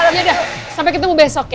iya dah sampai ketemu besok ya